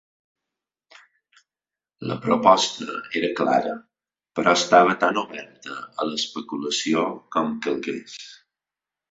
La proposta era clara, però estava tan oberta a l'especulació com calgués.